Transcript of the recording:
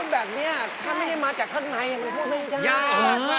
ถ้าไม่ได้มาจากข้างในมันพูดไม่ได้